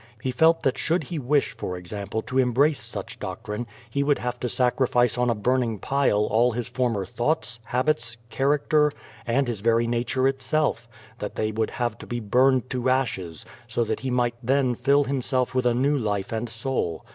He felt that should he wish, for example, to embrace such doctrine he would have to sacrifice on a burning pile all his former thoughts, habits, character, and his very nature itself; that they would have to be burned to ashes, so that he might then fill himself with a new life and soul.